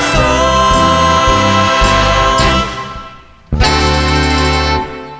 แม่